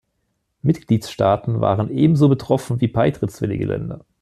Mitgliedstaaten waren ebenso betroffen wie beitrittswillige Länder.